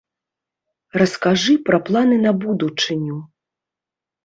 Раскажы пра планы на будучыню.